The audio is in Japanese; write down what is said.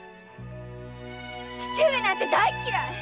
父上なんて大嫌い！